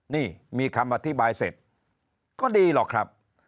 นี่มีคำอธิบายเสร็จก็ดีหรอกครับ